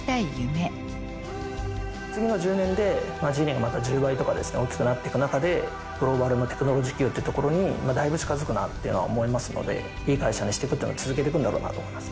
次の１０年でジーニーがまた１０倍とかですね大きくなってくなかでグローバルなテクノロジー企業っていうところにだいぶ近づくなっていうのは思いますのでいい会社にしていくっていうのを続けていくんだろうなと思います